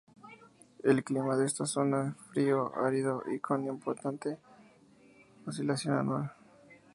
El clima de esta zona es frío árido y con una importante oscilación anual.